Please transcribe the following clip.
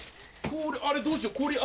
あれどうしよう。